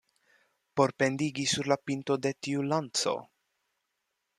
Por pendigi sur la pinto de tiu lanco.